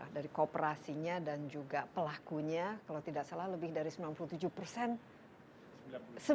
dari kooperasinya dan juga pelakunya kalau tidak salah lebih dari sembilan puluh tujuh persen